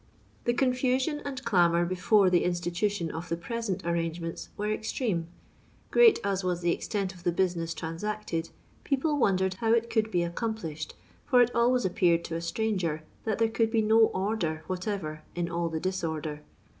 The confusion and clamour before the instita tion of the present arrangements were extreme. Qreat as was the extent of the business transacted, people wondered how it could be accomplished, for it aJways appeared to a stranger, that there could be no order whateTer in all the disorder.